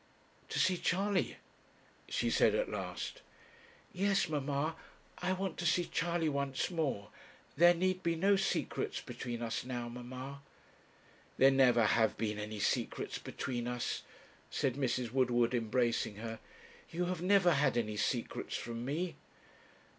'To see Charley!' she said at last. 'Yes, mamma; I want to see Charley once more; there need be no secrets between us now, mamma.' 'There have never been any secrets between us,' said Mrs. Woodward, embracing her. 'You have never had any secrets from me?'